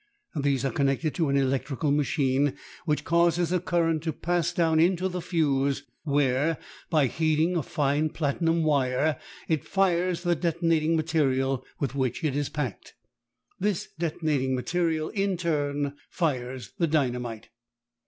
These are connected to an electrical machine, which causes a current to pass down into the fuse, where, by heating a fine platinum wire, it fires the detonating material with which it is packed. This detonating material in turn fires the dynamite.